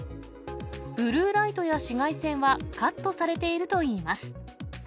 ブルーライトや紫外線はカットされているといいます。